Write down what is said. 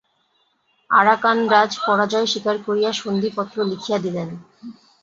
আরাকানরাজ পরাজয় স্বীকার করিয়া সন্ধিপত্র লিখিয়া দিলেন।